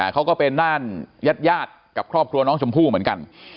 เขาก็เป็นด้านญาติกับครอบครัวน้องชมพู่เหมือนกัน